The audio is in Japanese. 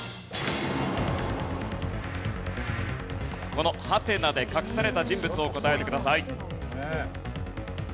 このハテナで隠された人物を答えてください。